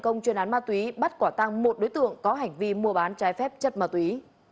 công chuyên án ma túy bắt quả tăng một đối tượng có hành vi mua bán trái phép chất ma túy